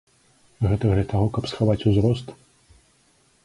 Гэта для таго, каб схаваць узрост?